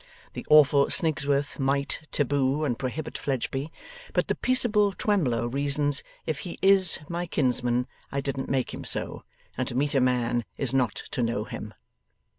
The awful Snigsworth might taboo and prohibit Fledgely, but the peaceable Twemlow reasons, If he IS my kinsman I didn't make him so, and to meet a man is not to know him.